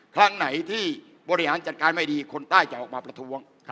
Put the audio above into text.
ครั้งไหนที่บริหารจัดการไม่ดีคนใต้จะออกมาประท้วง